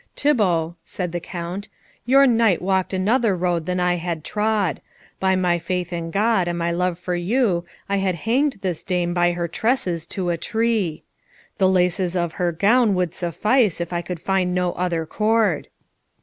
"Thibault," said the Count, "your knight walked another road than I had trod. By my faith in God and my love for you, I had hanged this dame by her tresses to a tree. The laces of her gown would suffice if I could find no other cord."